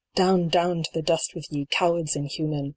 Down, down to the dust with ye, cowards inhuman